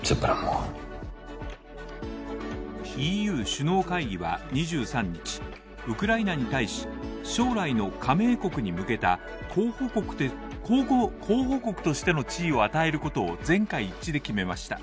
ＥＵ首脳会議は２３日、ウクライナに対し将来の加盟国に向けた候補国としての地域を与えることを全会一致で決めました。